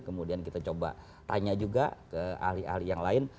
kemudian kita coba tanya juga ke ahli ahli yang lain